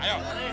eh itu orang tua